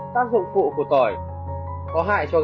tác dụng phụ của tỏi có hại cho gan